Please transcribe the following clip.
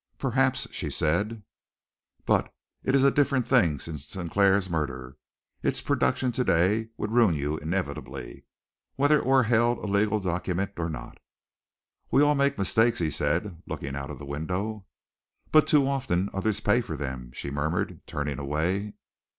"Perhaps," she said, "but it is a different thing since Sinclair's murder. Its production to day would ruin you inevitably, whether it were held a legal document or not." "We all make mistakes," he said, looking out of the window. "But too often others pay for them!" she murmured, turning away.